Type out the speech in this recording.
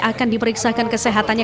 akan diperiksakan kesehatannya